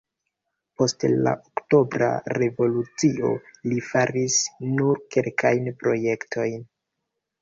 Post la Oktobra revolucio li faris nur kelkajn projektojn.